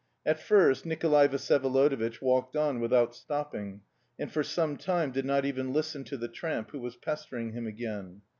At first Nikolay Vsyevolodovitch walked on without stopping, and for some time did not even listen to the tramp who was pestering him again.